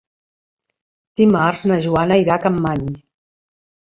Dimarts na Joana irà a Capmany.